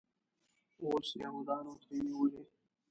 اوس یهودانو ترې نیولی.